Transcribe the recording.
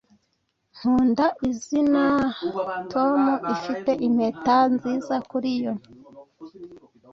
Nkunda izina Tom. Ifite impeta nziza kuri yo.